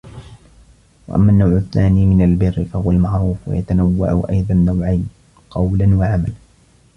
وَأَمَّا النَّوْعُ الثَّانِي مِنْ الْبِرِّ فَهُوَ الْمَعْرُوفُ وَيَتَنَوَّعُ أَيْضًا نَوْعَيْنِ قَوْلًا وَعَمَلًا